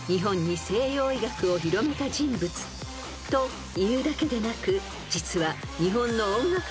［というだけでなく実は］